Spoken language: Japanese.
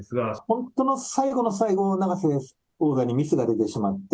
本当の最後の最後に、永瀬王座にミスが出てしまって、